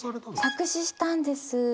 作詞したんです。